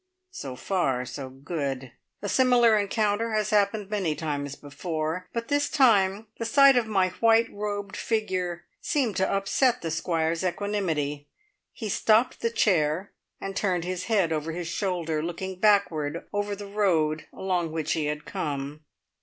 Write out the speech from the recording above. So far, so good. A similar encounter has happened many times before, but this time the sight of my white robed figure seemed to upset the Squire's equanimity. He stopped the chair, and turned his head over his shoulder, looking backward over the road along which he had come.